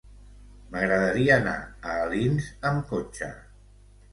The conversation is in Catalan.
M'agradaria anar a Alins amb cotxe.